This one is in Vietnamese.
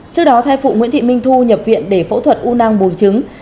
trước đó thai phụ nguyễn thị minh thu nhập viện để phẫu thuật u nang bồn trứng